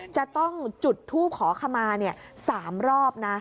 จะต้องจุดทูปขอคำมา๓รอบ